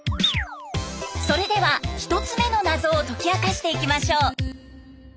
それでは１つ目の謎を解き明かしていきましょう。